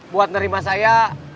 buat nerima saya